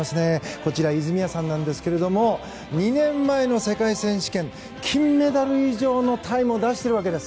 こちら泉谷さんですが２年前の世界選手権金メダル以上のタイムを出しているわけです。